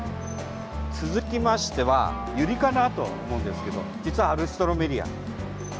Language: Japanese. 続きましてはユリかなと思うが実はアルストロメリア。